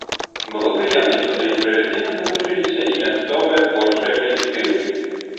Было прыемна, што да іх правядзення далучаліся і мясцовыя творчыя калектывы.